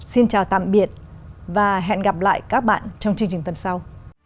xin chào tạm biệt và hẹn gặp lại các bạn trong chương trình tuần sau